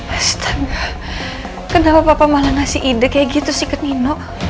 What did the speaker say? western kenapa bapak malah ngasih ide kayak gitu sih ke nino